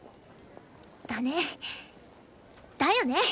だねだよね。